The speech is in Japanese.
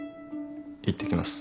いってきます。